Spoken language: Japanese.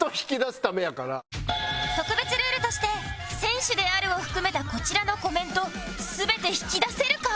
特別ルールとして「選手である」を含めたこちらのコメント全て引き出せるか？